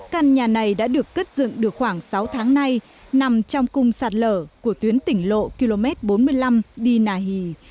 căn nhà này đã được cất dựng được khoảng sáu tháng nay nằm trong cung sạt lở của tuyến tỉnh lộ km bốn mươi năm đi nà hì